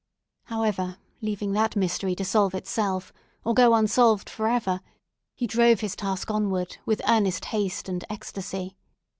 However, leaving that mystery to solve itself, or go unsolved for ever, he drove his task onward with earnest haste and ecstasy.